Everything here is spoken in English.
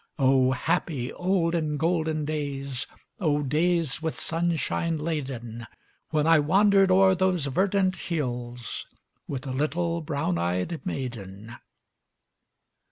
Oh, happy, olden, golden days, Oh, days with sunshine laden, When I wandered o'er those verdant hills With a little brown eyed maiden.